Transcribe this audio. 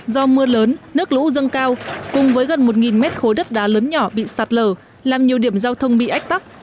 do mưa lớn nước lũ dâng cao cùng với gần một mét khối đất đá lớn nhỏ bị sạt lở làm nhiều điểm giao thông bị ách tắc